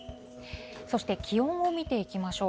そして気温を見ていきましょう。